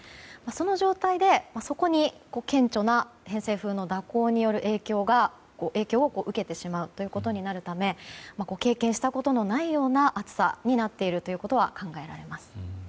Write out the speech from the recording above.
その状態でそこに顕著な偏西風の蛇行による影響を受けてしまうということになるため経験したことのないような暑さになっているということは考えられます。